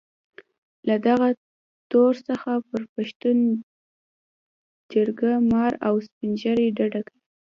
له دغه تور څخه هر پښتون جرګه مار او سپين ږيري ډډه کوي.